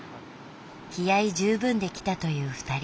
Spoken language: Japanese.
気合い十分で来たという２人。